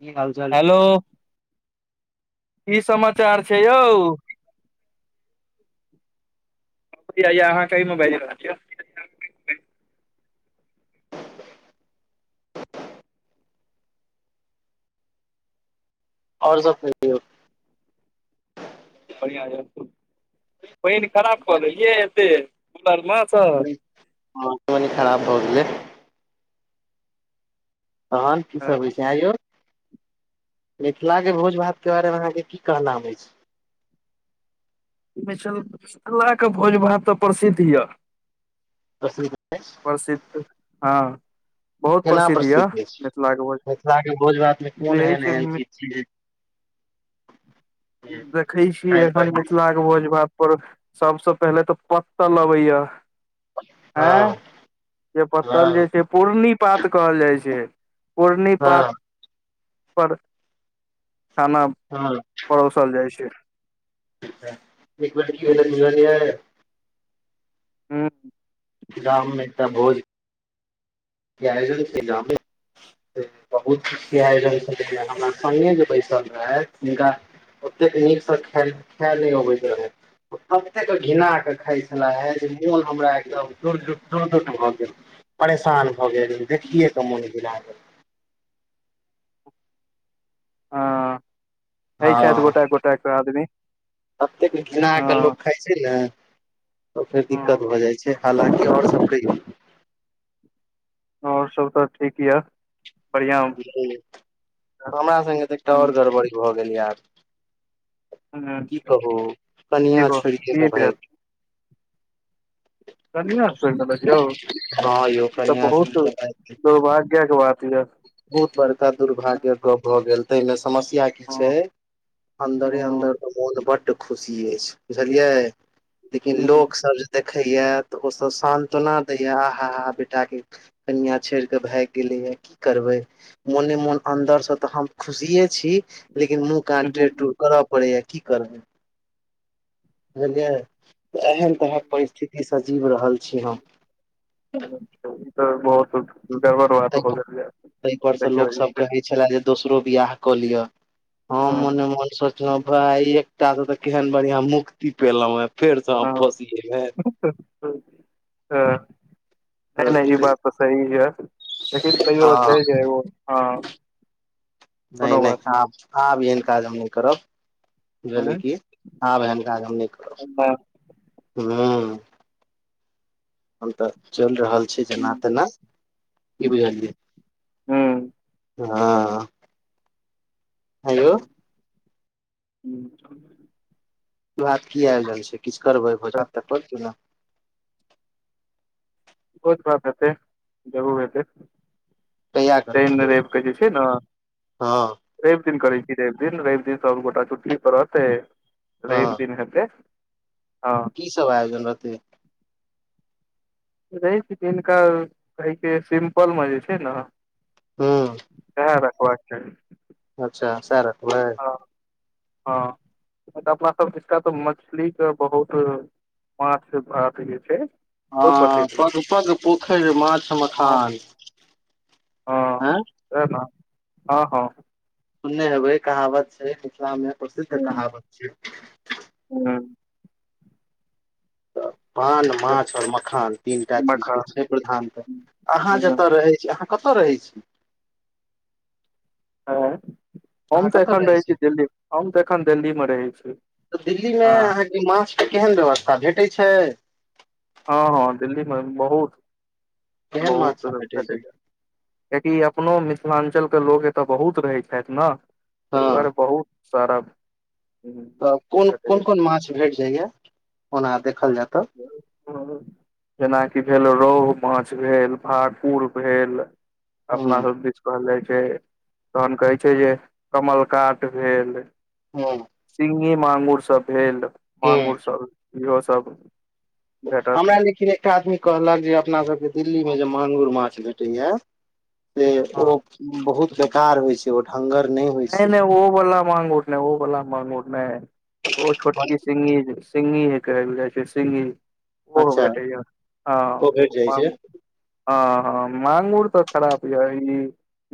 की हाल चाल हेलो की समाचार छै यौ? की बुझाय या आहाँ के एय मे भेजै बला छियै। और सब कहियो? बढ़िआँ यऽ पैन खराब कऽ लेलियेै एते कूलरमे? सँ हँ [unintelligible] खराब भऽ गेलै। तहन की सब होय छै आं यौ? मिथिला के भोज भात के बारे मे आहाँके की कहनाम अइछ? मिसन मिथिलाके भोज भात तऽ प्रसिद्ध यऽ। प्रसिद्ध अइछ। प्रसिद्ध हँ। बहुत केना प्रसिद्ध यऽ अछि मिथिलाके भोज मिथिला के भोज भात मे कोन नही एहन छै एहन मित चीज छै जे देखै छी खाय पर एखन मिथिलावके भोज भात। पर सबसे पहिले तऽ पत्तल अबेै या। हँ। जे पत्तल जे हँ छै पूर्णि पात कहल जाय छै पूर्णि पात। हँ पर खाना हँ परोसल जाय छै। एक मिनट की [unintelligible] बुझलियै? हूँ। गाम मे एकटा भोज- केलजन के नाम पे। बहुत आयोजन छल हमरा संगे जे बैसल रहैथ हिनका- ओतेक नीकसँ खैर खाए नै अबैत रहे। कतेक घिना कऽ खाइ छेल्लाह जे मोन हमरा एकदम दड़ [unintelligible] भऽ गेल। परेशान भऽ गेल देखियए के मोन पीड़ा गेल। हँ हइ छैथ हँ गोटेक गोटेक आदमी हँ। खाय छै ने तऽ फेर दिक्कत हँ भऽ जाय छै हालाँकि और सब कहियौ? और सब तऽ ठीक या। [unintelligible] हमरा संगे तऽ एकटा और हूँ गड़बड़ी भऽ गेल या आब। की कहू की कनिआ गप छोइड़ के की तऽ भेल भाइग- कनिया छोइड़ देलक यत गेल। हँ यौ इ त कनिया छोड़ि बहुत कऽ भागि दुर्भाग्य यक बात यऽ। बहुत बड़का दुर्भाग्यक गप भऽ गेल। तयमे समस्या की छिय अन्दरे अन्दर हँ त मोन बड खुशी अइछ बुझलियै लेकिन लोकसभ देखैये त ओसभ सानत्वना दैये आहाहा बेटाके कनियाँ छोइड़ कऽ भागि गेलैए की करबै मोने मोन अन्दर से त हम खुशिये छी लेकिन मुँह कान टेढ़ टूढ़ करऽ पड़ैया की करबै बुझलियै एहन तरहक परिस्थितिसँ जीव रहल छी हम। त बहुत गड़बड़ बात भ ताहि गेल यऽ पर से देखियौ लोक इ सब कहै छले जे दोसरो बियाह कऽ लियऽ, हम हँ मोने मोन सोचलौं भाय एक एकटा से त केहन बढ़ियां मुक्ति पेलौं एँ फेर स हम फँसी अयमे। ह नै- नै इ बात त सही यऽ। लेकिन तैयो हँ [unintelligible] हँ। नै- कोनो नै बात नहि आब, आब एहन काज हम नै करब। आँय बुझलियए हँ, की आब एहेन काज हम नै करब। हुं। हम त चइल रहल जेना तेना की बुझलियए हँ। आंयौ [inaudible] [unintelligible] की आइब रहल छैय किछ करबै भोजन त कर [unintelligible] भोज भात हेतै जरूर हेतै। कहिया करबै शैइन यौ रइब क जे छैय न हँ रइब दिन करै छी रइब दिन, रइब दिन सभगोटा छुट्टी पर रहतै रइब हँ दिन हेतै हँ। की सब आयोजन रहतै। रइब दिनका कहैके सिम्पलमे जे छैय ने हुं। सेह रखबाक चाही। अच्छा सेह रखबय। हँ। मतलब अपना सब दिसका त मछलीके बहुत माछ भात जे छैय हँ पग- पग पोखैर माछ हँ मखान। उं। छैय न, हँ-हँ। सुनने हेबै कहावत छैय मिथिलामे प्रसिद्ध कहावत छैय। हँ। पान, माछ आ मखान तीनटा मखा चीजके छैय प्रधानता। अहाँ हँ। जतऽ रहै छी, अहाँ कतऽ रहै छी। एँ। हम त एखन रहै छी दिल्ली हम त एखन दिल्लीमे रहै छी हँ। इ माछ के केहन व्यवस्था भेटै छैय। हँ दिल्लीमे केहन बहुत-बहुत माछ सब भेटै छै तरहके किएकि अपनो मिथिलाञ्चलके लोक एतऽ बहुत रहै छथै न। ए हँ दुआरे बहुत सारा हम्म, तऽ भेटैए। कोन-कोन-कोन माछ भेट जाए यै ओना देखल जाए तै हेडफोन जेना कि भेल रोह माछ भेल, भाकुर भेल। हूँ अपना सब दिश कहल जाए छै तहन कहै छै जे कमल काट भेल। हां। सिहीं मांगुर सब भेल, हूँ मांगुर सब इहो सब। भेटत हमरा लेकिन एक टा आदमी कहलक जे अपना सबके दिल्ली मे जे मांगुर माछ भेटय यै से हँ ओ बहुत बेकार होय छै। जे ओ ढंगर नै नै-नै ओ बला मांगुर नै, ओ बला मांगुर नै ओ छोटकी सिंघी जे सिंघी जे कहल जाए छै सिंघी ओहो अच्छा भेटय यै, हां ओ भेट जाइ छै मांगूर। हां-हां मंगुर तै खराब यै ई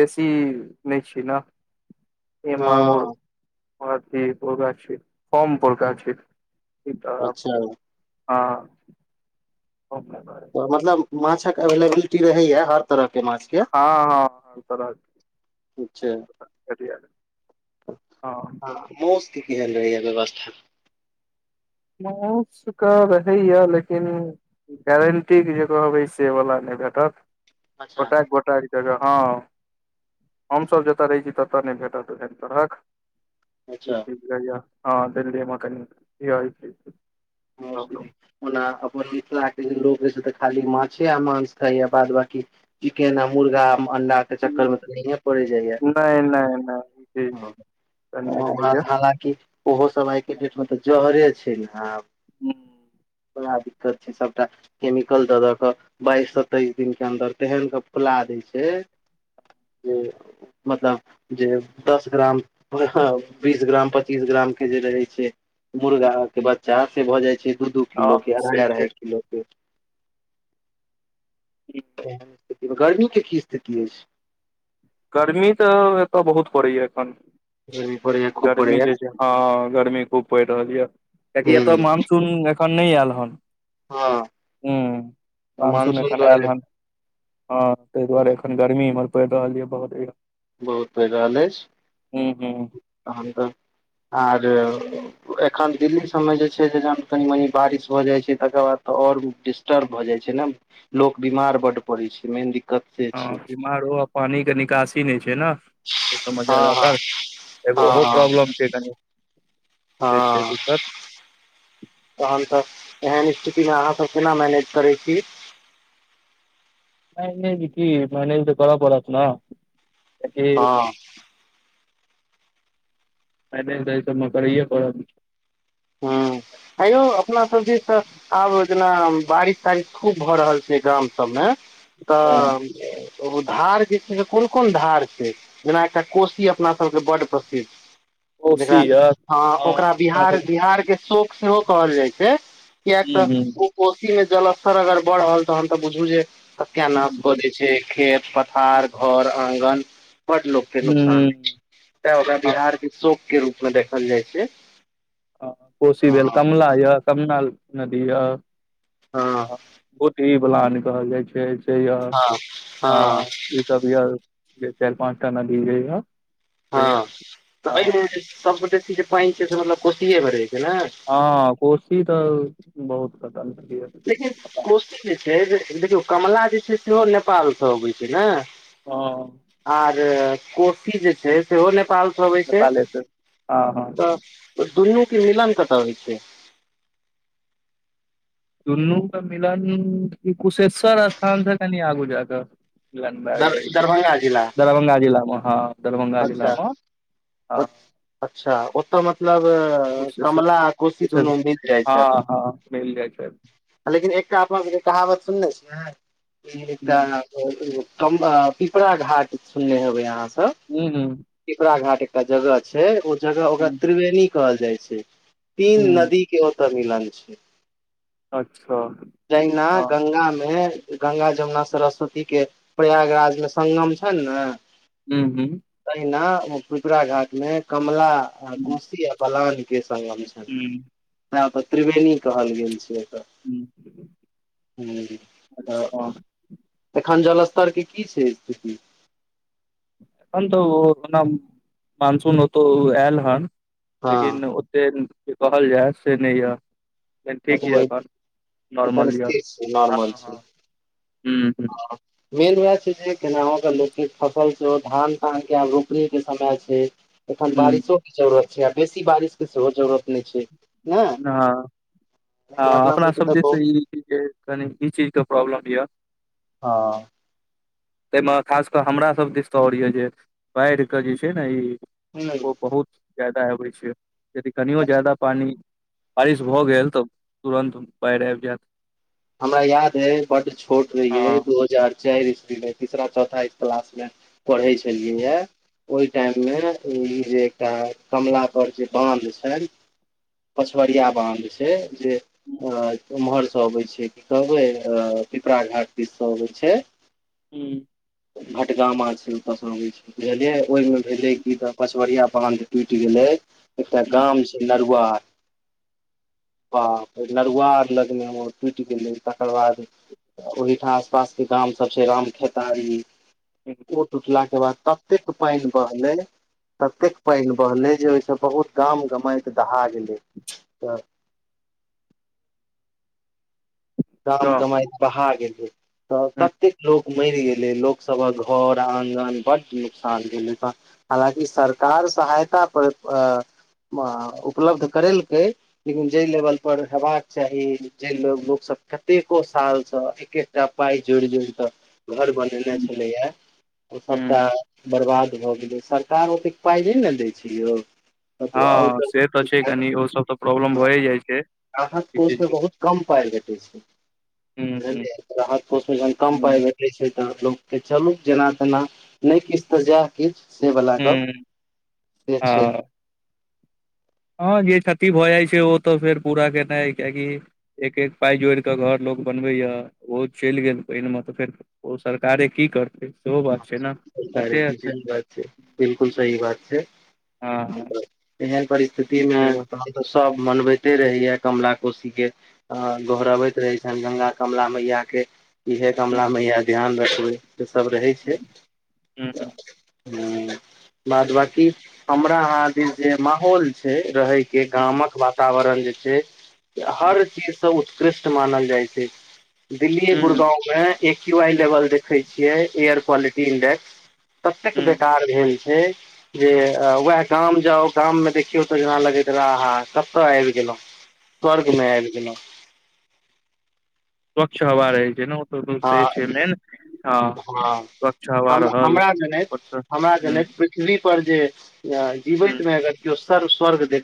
देशी नै छियै नै। ई मंगुर हँ अथी ऐतोका छीयै फोम परका छीये। ई तऽ आब अच्छा हां [unintelligible] तऽ मतलब माछक एवेलेबिलिटी रहय यै हर तरह के माछ के हां-हां हर तरह अच्छा के एलिया रहै हां। हां मौस के की भेल रहय यै व्यवस्था? मौस कै रहय यै लेकिन गारंटी के जे कहबै से बला नै भेटत अच्छा गोटैक गोटै से यै हां हम सब जैता रहय छी ततै नै भेटत ओहेन तरहक। ई अच्छा चीज लै यै हां दिल्ली मे कनि [unintelligible] मुश्किल प्रॉब्लम ओना अपन मिथिला के जे लोक यै से तै खाली माछे आ मांस खाय यै बाद बाकी चिकेन आ मुर्गा अण्डाके चक्कर मे तै नहियै पड़ै जाए यै। नहि नहि नहि जी तऽ नहि हां रहैया [unintelligible] हालाकी उहो सब आय के डेट मे तऽ जहरे छै नै आब। हूं। बड़ा दिक्कत छै सबटा केमिकल दऽ दऽ क बाइस से तैस दिन के अन्दर तेहेन के फुला दै छै जे मतलब जे दस ग्राम, बीस ग्राम, पच्चीस ग्राम के जे रहय छै मुर्गा के बच्चा से भऽ जाए छै दू-दू किलो के हँ से छै अढ़ाय-अढ़ाय किलो के ऐहेन ऐखन गर्मी के की स्थिति ऐछ। गर्मी तऽ एतय बहुत पड़ैया एखन जे भी बढ़िया गर्मी जे छै हां-हां गर्मी खूब पड़ रहल यै। कियाकि एता ह मानसुन ऐख खन नै ऐल हन हँ हुं मानसून एखन ऐल हन हँ ताहि दुआरे एखन गर्मी इमहर पड़ि रहल यऽ बहुत बहुत पैर रहल अइछ, हूं तहन तऽ आर एखन दिल्ली सब मे जे छै, से जहन कनी- मनी बारिश भ जाइ छै तकर बाद तऽ आओर डि डटर्ब भऽ जाइ छै ने, लोक बीमार बड़ पड़े छै मेन दिक्कत से छै। बीमारो आ पानी के निकासी नहि छै ने। हँ हँ एगो ओहो हँ हँ प्रॉब्लम छै कनि। से छै हँ दिक्कत। तहन तऽ एहन स्थिति में अहाँ सब केना मैनेज करै छी। मैनेज कि मैनेज तऽ कर पड़त ने। हँ मैनेज तऽ अय सब में करैये पड़त। ह आंयौ अपना सब दिस तऽ। आब जेना बारिश- तारिश खूब भऽ रहल छै गाम सबमें हँ तऽ। एगो धार जे छै कोन- कोन धार छै। जेना एकटा कोशी अपना सबके बड्ड प्रसिद्ध, कोशी जेकरा यऽ ह हँ ओकरा अपना बिहार सब बिहार के शोक सेहो कहल जाइ छै कियाक हूँ हूँ तऽ कोशी मे जलस्तर अगर बढ़ल तहन तऽ बुझू जे, सत्यानाश क हूँ दैत्य छै खेत प थार घर आङगन बड़ लोक के नुकसान होय हूँ छै। तऽ ओकरा बिहार हँ के शोक के रूप मे देखल जाइ छै। अ कोशी भेल हँ कमला यऽ कमला नदी यऽ। हँ भूतही बलान कहल जाइ छै से यऽ हँ। ई सब यऽ चाइर- पाँच टा नदि जे यऽ। से हँ तऽ हँ अहिमें सबगोटे के जे पाइन छैह मतलब कोसीएमे रह छै ने। हँ कोशी तऽ बहुत खतम क लेकिन। कोशी जे छै देखियौ, कमला जे छै सेहो नेपालसँ अबै छै ने। हॅं। आर कोशी जे छै, सेहो नेपाल से अबै छै, नेपाले से हँ हँ तऽ दुनू के मिलन कतऽ होइ छै। दुुन्नू के मिलन कुशेश्वर स्थान से कनि आगू जाके। दर दरभंगा जिला दरभङ्ंगा जिला में हँ। दरभंगा जिला मे अच्छा- हँ अच्छा ओतऽ मतलब कुशेश्वर कमला आ कोशी कुशेश्वर दुनू मिल जाइ छथि। हँ हँ मिल जाइ छै लेकिन एकटा अपना सबके कहावत सुनने छियै, एकटा हूँ पिपरा घाट सुनने हेबै अहाँ सब हूं-हूं। पिपराघाट एकटा जगह छै, ओ जगह ओकरा हूँ त्रिवेणी कहल जाइ छै। तीन हूँ नदी के ओतऽ मिलन छै। अच्छा! जहिना हँ गंगा में गङंगा, जमुना, सरस्वती के प्रयागराज में संगगम छैन ने। हू- हू। तहिना पिपरा घाट में, कमला, कोशी, आ बलान के संगम छै। हूं। तैं ओकर त्रिवेणी कहल गेल छै एतऽ। ह ह तऽ एखन जल स्तरके की छै स्थिति? एखन तऽ ओ ओना मानसून ओतौ आयल हन लेकिन से जे कहल जाय से नहि यऽ। लेकिन ठीक यऽ हँ एखन एखन नॉर्मल स्थिर यऽ छै हँ हँ ह्म ह्म ह मेन वेह छै जे केनाहो कऽ लोक के फसल छै ओ धान तान के आ रोपनी के समय छै। एखन हूँ बारिशो के जरूरत छै आ बेसी बारिश के सेहो जरूरत नहि छै। ने हँ हँ लेकिन आऽ अपना सबके सब तऽ जे सँ बहुत ई कनि ई चीजके प्रॉब्लम यऽ हँ। ताहि मऽ खास कऽ हमरा सब दिश त आओर यए जे बाढ़िके जे छै ने ई। ह बहुत ज्यादा आबै छै यदि कनियो ज्यादा पानि बारिश भऽ गेल तऽ तुरन्त बाढ़ि आबि जायत। हमरा याद है बड्ड छोट रही है हँ दू हजार चारि इसबी मे तीसरा चौथा क्लास मे पढ़ै छलियैया। ओहि टाइम मे ई जे एकटा कमला पर जे बानध छेन। पछवरिया बान्ध छै जे भऽ रल ओम्हरसँ अबै छै। कि कहबै अऽ पिपरा घाट दिश सँ अबई छै। हू। भटगामा सुनबत सँ लबै छै बुझलियै ओहिमे भेलै कि तऽ पचवरिया बानध टुटि गेलै एकटा हूँ गाम छै नरुआर। बाप रे नरुआर लगमे हमर टुटि गेलै तकर बाद ओहिठाम आसपास के गाम सब छै राम खेतारी ओ टूटलाक के बाद तब ततेक पानि बहलै ततेक पानि बहलै जे ओहिस बहुत गाम गमैट दहा गेलै त गाम हूँ गमाय बहा गेलै तऽ ततेक लोग मरि गेलै लोकसभक घर आङगन बड नुकसान भेलै त हालाँकि सरकार सहायता पर अ मऽ उपलब्ध करेलकै। लेकिन जाहि लेवल पर हेबाक चाही जाइ ल लोक सब कतेको सालसँ एक एकटा पाय जोड़ि जोड़ि कऽ घर बनेने हुं छलैया ओ सभटा बर्बाद भऽ गेलै सरकार ओतेक पाइ नहि ने दै छै यौ। हँ से तऽ छै कनी ओ सब तऽ प्रॉब्लम भए जाइ छै। राहत कोष में बहुत कम पाय भेटै छै। हुं हुं बुझलिए तऽ राहत कोषमे जहन कम हुं पाय छै तऽ लोकके चलू जेना तेना नहि किछ तऽ जैह किछ से बला गप हुं से छै। हँ हँ जे क्षति भऽ जाइ छै ओ तऽ फेर पूरा केनाइ किएकि एक एक पाय जोड़ि कऽ घर लोग बनबै यऽ ओहो चलि गेल पानि मे तऽ फेर ओ सरकारे की करतै। सेहो बात छै ने सरकारे कते की अथी सभ करतै बिलकुल सही बात छै हँ तहन हँ तऽ एहन परिस्थिति मे से बात तहन तऽ सब मनबैते रहैया कमला कोशी के हं हुं गोहरबैत रहै छनि गंगा कमला मैया के हे हुं कमला मैया ध्यान रखबै से सब रहैत छै त हुं हं बाद बांकि हमरा अहाँ दिस जे माहोल छै रहै जे हुं गामक वातावरण जेछै से हर चीजसँ उ कृष्ट मानल जाइ छै, दिल्ली हुं गुुरगांव मे एक्याई लेवल देखै छियै, एयर क्वालिटी इंडेक्स ततेक हुं बेकार भेल छैय। जे वएह गाम जाउ गाम में देखियौ तऽ जेना लगै रहै कतय आबि गेलहुं। स्वर्ग में आबि गेलहुं। स्वच्छ हवा रहै छै नै ओता सब से छैय से मेन हँ हां, स्वच्छ हवा हम रहल हमरा जनैत अपन स हमरा जनैत पृथ्वी पर जे ह जीवैत में अगर किओ स्वर्ग सब देखतै